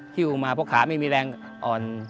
ออกมาเพราะขาไม่มีแรงอ่อน